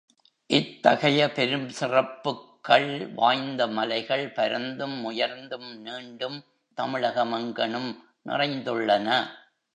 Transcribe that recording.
இத்தகைய பெருஞ் சிறப்புக்கள் வாய்ந்த மலைகள் பரந்தும், உயர்ந்தும், நீண்டும் தமிழகமெங்கணும் நிறைந்துள்ளன.